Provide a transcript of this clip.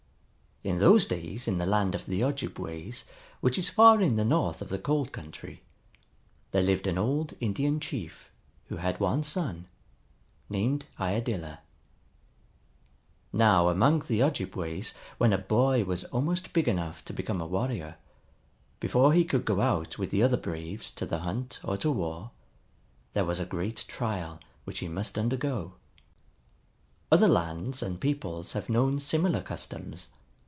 In those days in the land of the Ojibways, which is far in the north of the cold country, there lived an old Indian chief who had one son, named Iadilla. Now among the Ojibways, when a boy was almost big enough to become a warrior, before he could go out with the other braves to the hunt or to war, there was a great trial which he must undergo. Other lands and peoples have known similar customs.